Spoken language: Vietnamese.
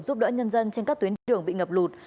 giúp đỡ nhân dân trên các tuyến đi đường bị ngập lụt